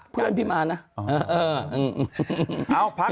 เพื่อนพี่มานะ